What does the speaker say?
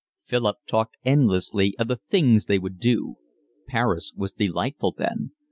Philip talked endlessly of the things they would do. Paris was delightful then.